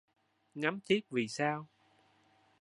Ngắm tiếp vì sao